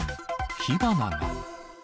火花が。